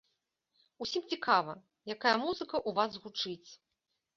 Усім цікава, якая музыка ў вас гучыць.